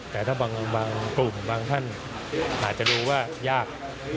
แต่ถ้าบางกลุ่มบางท่านอาจจะดูว่ายาก